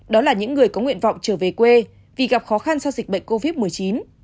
đó là những người có nguyện vọng trở về quê vì gặp khó khăn do dịch bệnh covid một mươi chín